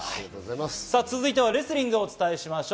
続いてはレスリングをお伝えします。